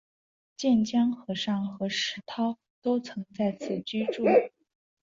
渐江和尚和石涛都曾在此居住。